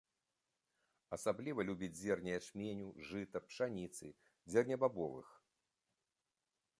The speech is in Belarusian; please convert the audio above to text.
Асабліва любіць зерне ячменю, жыта, пшаніцы, зернебабовых.